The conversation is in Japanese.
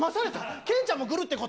けんちゃんもぐるってこと？